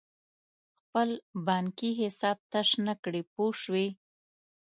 خپل بانکي حساب تش نه کړې پوه شوې!.